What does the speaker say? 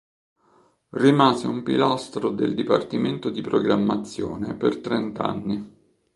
Rimase un pilastro del dipartimento di programmazione per trent'anni.